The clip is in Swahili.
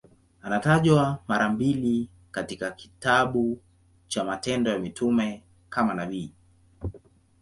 Anatajwa mara mbili na kitabu cha Matendo ya Mitume kama nabii.